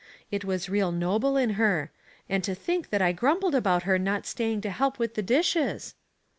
It was real noble in her. And to think that I grumbled about her not staying to help with the dishes!